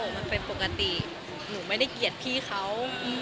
มันเป็นปกติหนูไม่ได้เกลียดพี่เขา